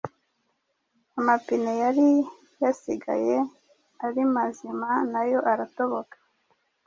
amapine yari yasigaye ari mazima nayo aratoboka